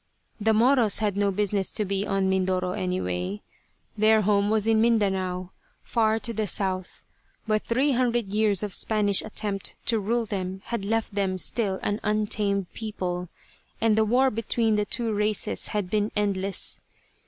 The Moros had no business to be on Mindoro, anyway. Their home was in Mindanao, far to the south, but three hundred years of Spanish attempt to rule them had left them still an untamed people, and the war between the two races had been endless.